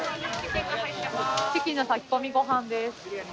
チキンの炊き込みごはんです。